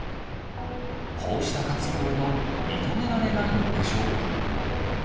こうした活用は認められないのでしょうか。